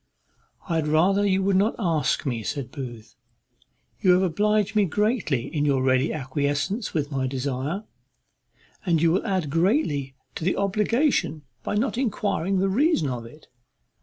"I had rather you would not ask me," said Booth. "You have obliged me greatly in your ready acquiescence with my desire, and you will add greatly to the obligation by not enquiring the reason of it.